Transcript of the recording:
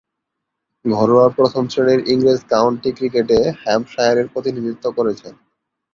ঘরোয়া প্রথম-শ্রেণীর ইংরেজ কাউন্টি ক্রিকেটে হ্যাম্পশায়ারের প্রতিনিধিত্ব করেছেন।